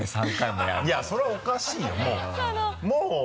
いやそれはおかしいよもう。